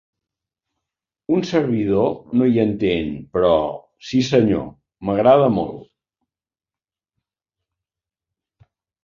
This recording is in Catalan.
Un servidor no hi entén, però... si senyor. M'agrada molt.